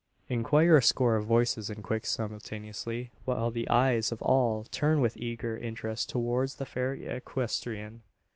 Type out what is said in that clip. inquire a score of voices in quick simultaneity; while the eyes of all turn with eager interest towards the fair equestrian.